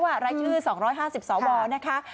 รายชื่อ๒๕๐สวนะคะ